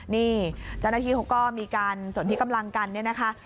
นี่เจ้าหน้าที่เขาก็มีการสนที่กำลังกันเนี่ยนะคะ